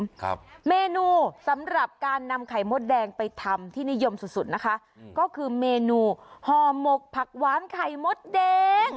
ครับเมนูสำหรับการนำไข่มดแดงไปทำที่นิยมสุดสุดนะคะอืมก็คือเมนูห่อหมกผักหวานไข่มดแดง